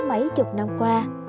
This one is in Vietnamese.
mấy chục năm qua